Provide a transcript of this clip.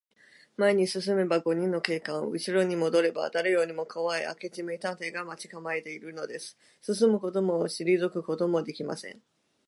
前に進めば五人の警官、うしろにもどれば、だれよりもこわい明智名探偵が待ちかまえているのです。進むこともしりぞくこともできません。